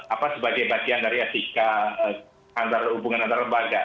apa sebagai bagian dari asika antara hubungan antara lembaga